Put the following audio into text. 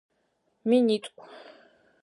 Минитӏу.